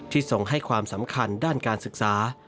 ทรงให้ความสำคัญด้านการศึกษา